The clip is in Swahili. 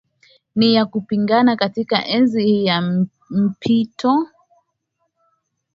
ni ya kupingana Katika enzi hii ya mpito